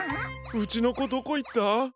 うちのこどこいった？